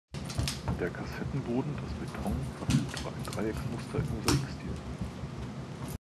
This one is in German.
Der Kassettenboden das Beton verfügt über ein Dreiecksmuster im Mosaikstil.